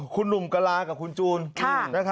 คุณหนุ่มกะลากับคุณจูน